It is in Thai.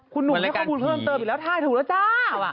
คุณหนุ่มให้ข้อมูลเพิ่มเติมอีกแล้วถ่ายถูกแล้วจ้า